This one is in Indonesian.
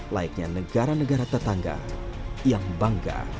layaknya negara negara tetangga yang bangga